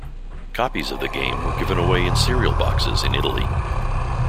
Copies of the game were given away in cereal boxes in Italy.